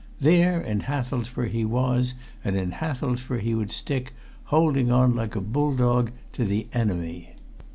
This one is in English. There in Hathelsborough he was, and in Hathelsborough he would stick, holding on like a bulldog to the enemy.